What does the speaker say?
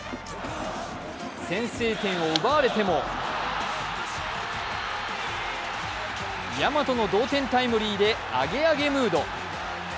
先制点を奪われても大和の同点タイムリーでアゲアゲムード。